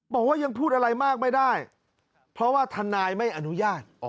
บอกว่ายังพูดอะไรมากไม่ได้เพราะว่าทนายไม่อนุญาต